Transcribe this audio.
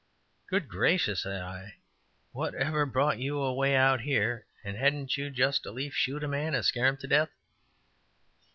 "Good gracious," said I, "whatever brought you away out here, and hadn't you just as lief shoot a man as scare him to death?"